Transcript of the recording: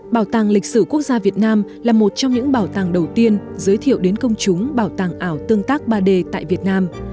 bảo tàng lịch sử quốc gia việt nam là một trong những bảo tàng đầu tiên giới thiệu đến công chúng bảo tàng ảo tương tác ba d tại việt nam